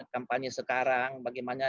kampanye sekarang bagaimana